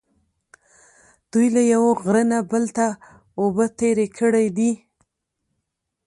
دوی له یوه غره نه بل ته اوبه تېرې کړې دي.